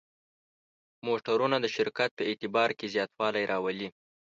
موټرونه د شرکت په اعتبار کې زیاتوالی راولي.